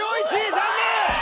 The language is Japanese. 残念！